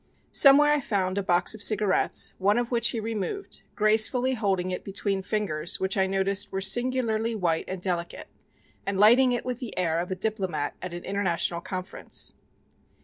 Somewhere I found a box of cigarettes, one of which he removed, gracefully holding it between fingers which I noticed were singularly white and delicate, and lighting it with the air of a diplomat at an international conference.